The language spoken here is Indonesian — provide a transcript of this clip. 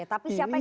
ini yang memang